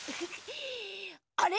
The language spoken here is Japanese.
あれ？